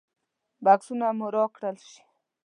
بکسونه مو راکړل شي.